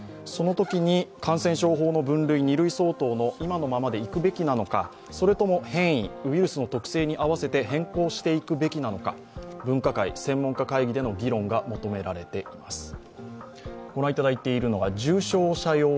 そのときに感染症法の分類、二類相当、今のままでいくべきなのか、それとも変異、ウイルスの特性に合わせて変更していくべきなのか分科会、専門家会議での議論が求められています。